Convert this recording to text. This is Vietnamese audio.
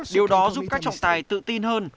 điều đó giúp các trọng tài tự tin hơn